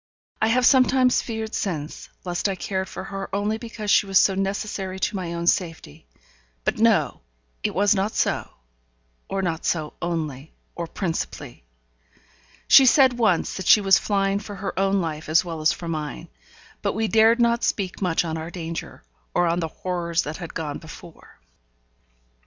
I have sometimes feared since, lest I cared for her only because she was so necessary to my own safety; but, no! it was not so; or not so only, or principally. She said once that she was flying for her own life as well as for mine; but we dared not speak much on our danger, or on the horrors that had gone before.